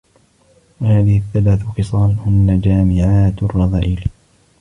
وَهَذِهِ الثَّلَاثُ خِصَالُ هُنَّ جَامِعَاتُ الرَّذَائِلِ